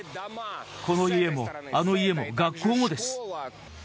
この家も、あの家も、学校もです。